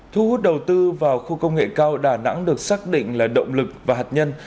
thu hút đầu tư vào khu công nghệ cao đà nẵng được xác định là động lực và hạt nhân